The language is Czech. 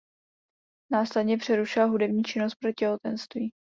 Následně přerušila hudební činnost pro těhotenství.